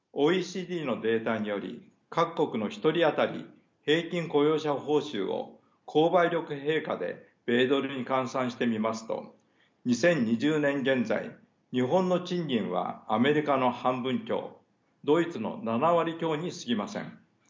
ＯＥＣＤのデータにより各国の１人当たり平均雇用者報酬を購買力平価で米ドルに換算してみますと２０２０年現在日本の賃金はアメリカの半分強ドイツの７割強にすぎません。